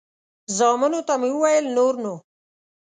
زامنو ته مې وویل نور نو.